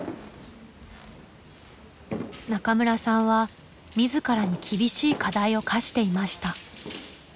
中村さんは自らに厳しい課題を課していました。